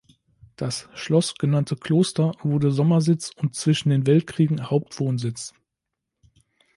Das „Schloss“ genannte Kloster wurde Sommersitz und zwischen den Weltkriegen Hauptwohnsitz.